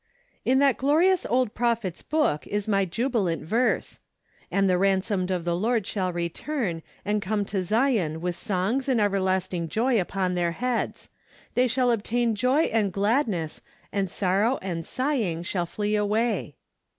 In that glorious old prophet's book is my jubilant verse :—" And the ransomed of the Lord shall re¬ turn, and come to Zion with songs and ever¬ lasting joy upon their heads: they shall obtain joy and gladness, and sorrow and sighing shall flee away."